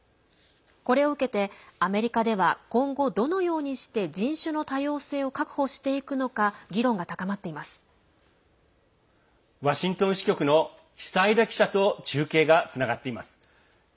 これを受けてアメリカでは今後、どのようにして人種の多様性を確保していくのかワシントン支局の久枝記者と中継がつながっています。